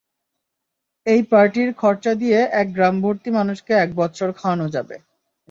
এই পার্টির খরচা দিয়ে এক গ্রামভর্তি মানুষকে এক বৎসর খাওয়ানো যাবে!